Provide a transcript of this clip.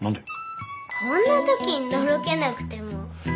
こんな時にのろけなくても。